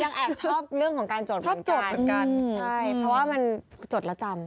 แอบชอบเรื่องของการจดวิจารณ์กันใช่เพราะว่ามันจดแล้วจำ